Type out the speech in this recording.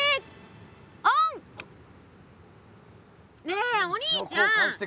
ねえお兄ちゃん！